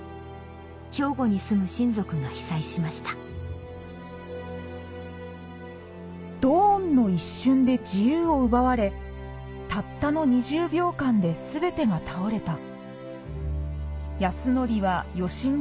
兵庫に住む親族が被災しました「ドンの一瞬で自由を奪われたったの２０秒間で全てが倒れた」